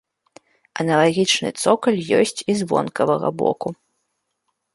Аналагічны цокаль ёсць і з вонкавага боку.